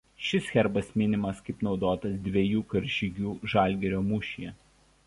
Šis Herbas minimas kaip naudotas dviejų karžygių Žalgirio mūšyje.